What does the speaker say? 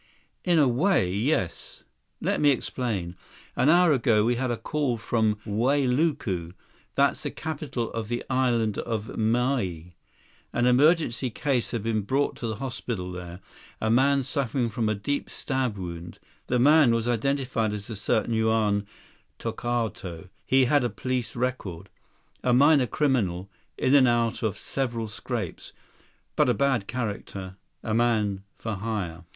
"In a way, yes. Let me explain. An hour ago, we had a call from Wailuku, that's the capital of the Island of Maui. An emergency case had been brought to the hospital there—a man suffering from a deep stab wound. The man was identified as a certain Juan Tokawto. He has a police record. A minor criminal, in and out of several scrapes, but a bad character. A man for hire."